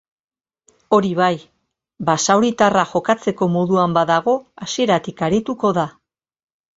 Hori bai, basauritarra jokatzeko moduan badago hasieratik arituko da.